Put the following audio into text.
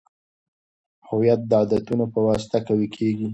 هویت د عادتونو په واسطه قوي کیږي.